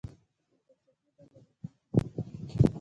د کجکي بند د هلمند سیند مهاروي